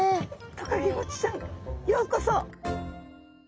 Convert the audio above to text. トカゲゴチちゃんようこそ。